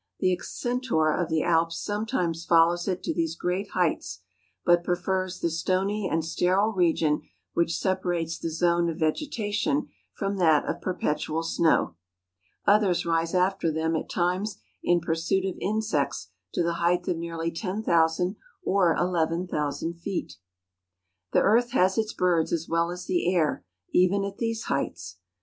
O The accentor of the Alps sometimes follows it to these great heights, but prefers the stony and sterile region which separates the zone of vegetation from that of perpetual snow; others rise after them at times in pursuit of insects to the height of nearly 10,000 or 11,000 feet The earth has its birds as well as the air, even at these heights.